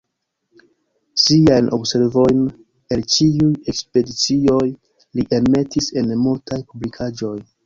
Siajn observojn el ĉiuj ekspedicioj li enmetis en multaj publikaĵoj.